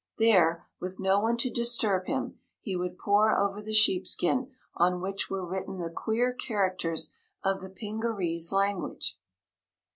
There, with no one to disturb him, he would pore over the sheepskin on which were written the queer characters of the Pingarese language.